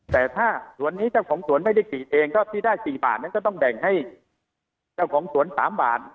แต่ถ้าสวนนี้เจ้าของสวนไม่ได้ฉีดเองก็ที่ได้๔บาทนั้นก็ต้องแบ่งให้เจ้าของสวน๓บาท